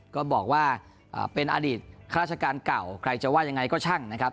ก็บอกว่าเป็นอดีตข้าราชการเก่าใครจะว่ายังไงก็ช่างนะครับ